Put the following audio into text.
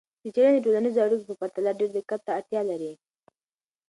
څیړنې د ټولنیزو اړیکو په پرتله ډیر دقت ته اړتیا لري.